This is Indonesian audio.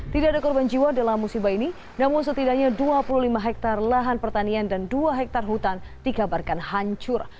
tidak ada korban jiwa dalam musibah ini namun setidaknya dua puluh lima hektare lahan pertanian dan dua hektare hutan dikabarkan hancur